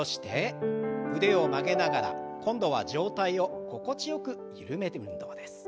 腕を曲げながら今度は上体を心地よく緩める運動です。